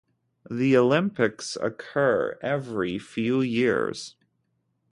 The Olympics occur every few years.